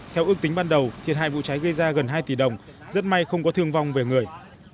theo ước tính ban đầu thiệt hại vụ cháy gây ra gần hai tỷ đồng rất may không có thương vong về người